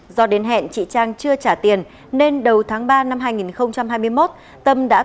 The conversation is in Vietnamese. do đến hẹn chị trang chưa trả tiền nên đầu tháng ba năm hai nghìn hai mươi một